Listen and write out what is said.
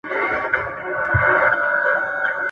زه ملنګ عبدالرحمن وم !.